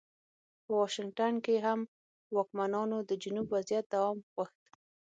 په واشنګټن کې هم واکمنانو د جنوب وضعیت دوام غوښت.